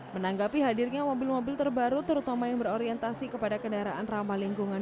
menanggapi hadirnya mobil mobil terbaru terutama yang berorientasi kepada kendaraan ramah lingkungan